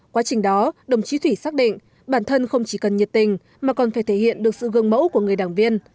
quá trình đó đồng chí thủy xác định bản thân không chỉ cần nhiệt tình mà còn phải thể hiện được sự gương mẫu của người đảng viên